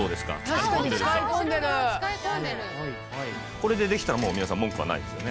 これでできたらもう皆さん文句はないですよね。